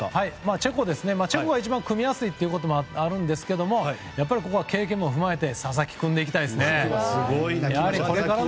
チェコが組みやすいこともあるんですけどここは経験も踏まえて佐々木君でいきたいですね。